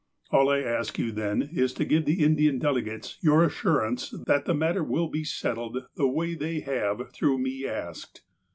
All I ask you, then, is to give to the Indian delegates your as surance that the matter will be settled the way they have, through me, asked."